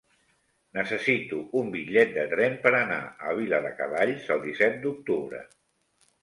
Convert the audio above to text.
Necessito un bitllet de tren per anar a Viladecavalls el disset d'octubre.